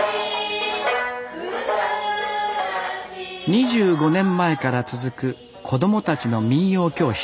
２５年前から続く子供たちの民謡教室。